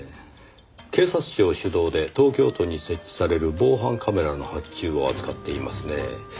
警察庁主導で東京都に設置される防犯カメラの発注を扱っていますねぇ。